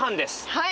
はい。